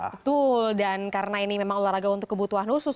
betul dan karena ini memang olahraga untuk kebutuhan khusus